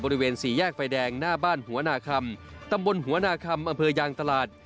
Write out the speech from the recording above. บริเวณสี่แยกไฟแดงหน้าบ้านหัวนาคำตำบลหัวนาคำอำเภอยางตลาด